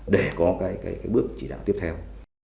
để có cái bước chỉ đạo tiếp theo